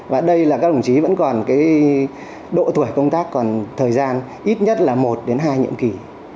và đây là các đồng chí vẫn còn độ tuổi công tác còn thời gian ít nhất là một hai nhiệm kỳ